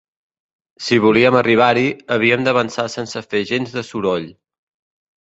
Si volíem arribar-hi, havíem d'avançar sense fer gens de soroll.